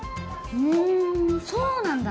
ふんそうなんだ！